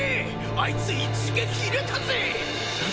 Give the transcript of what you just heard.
あいつ一撃入れたぜ！